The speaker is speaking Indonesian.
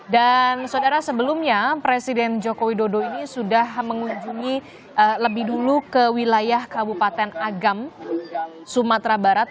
dan saudara sebelumnya presiden joko widodo ini sudah mengunjungi lebih dulu ke wilayah kabupaten agam sumatera barat